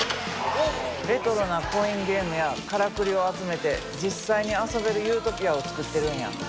レトロなコインゲームやカラクリを集めて実際に遊べるユートピアを作ってるんや。